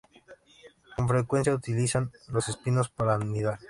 Con frecuencia utilizan los espinos para anidar.